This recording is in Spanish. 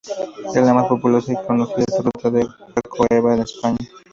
Es la más populosa y conocida ruta jacobea en España.